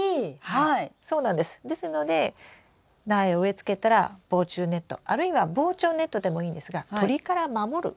ですので苗を植えつけたら防虫ネットあるいは防鳥ネットでもいいんですが鳥から守ることをしてください。